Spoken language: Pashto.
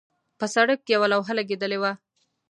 پر سړک یوه لوحه لګېدلې وه.